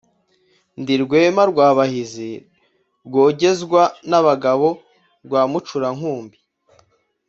ndi rwema rw'abahizi, rwogezwa n'abagabo rwa mucurankumbi,